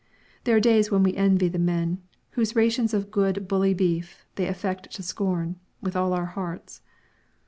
There are days when we envy the men whose rations of good bully beef they affect to scorn with all our hearts.